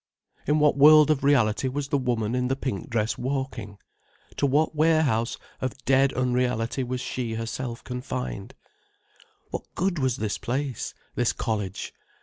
In what world of reality was the woman in the pink dress walking? To what warehouse of dead unreality was she herself confined? What good was this place, this college?